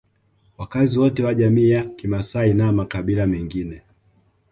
Wakazi wote wa jamii ya kimasai na makabila mengine